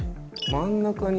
真ん中に。